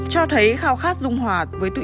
cho thấy khao khát dung hòa với tự nhiên của con người